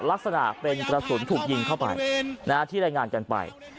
ลักษณะเป็นกระสุนถูกยิงเข้าไปที่รายงานกันไป